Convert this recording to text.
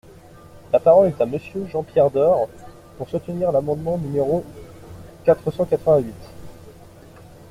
La parole est à Monsieur Jean-Pierre Door, pour soutenir l’amendement numéro quatre cent quatre-vingt-huit.